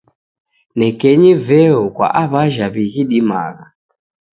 Nekenyi veo kwa aw'ajha wighidimagha.